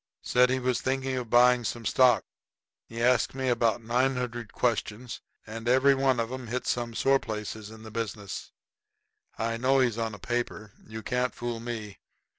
"Said he was thinking of buying some stock. He asked me about nine hundred questions, and every one of 'em hit some sore place in the business. I know he's on a paper. You can't fool me.